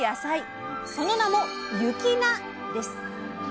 その名も「雪菜」です！